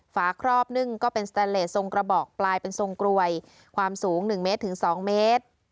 ฝาครอบนึ่งก็เป็นสแตนเลสทรงกระบอกปลายเป็นทรงกลวยความสูง๑เมตรถึง๒เมตร